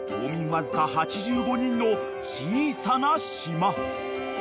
わずか８５人の小さな島］